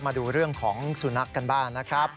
มาดูเรื่องของสุนัขกันบ้างนะครับ